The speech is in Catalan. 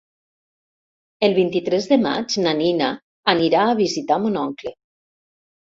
El vint-i-tres de maig na Nina anirà a visitar mon oncle.